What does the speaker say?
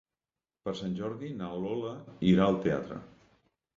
Per Sant Jordi na Lola irà al teatre.